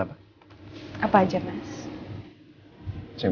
untuk memberikan kesaksian